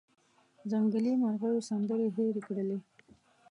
ځنګلي مرغېو سندرې هیرې کړلې